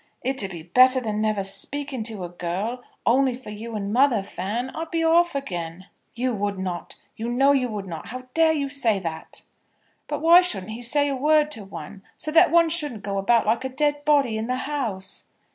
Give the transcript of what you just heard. "It 'd be better than never speaking to a girl. Only for you and mother, Fan, I'd be off again." "You would not. You know you would not. How dare you say that?" "But why shouldn't he say a word to one, so that one shouldn't go about like a dead body in the house?"